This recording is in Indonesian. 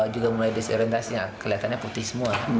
juga mulai disorientasinya kelihatannya putih semua